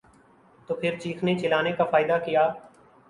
تو پھر چیخنے چلانے کا فائدہ کیا؟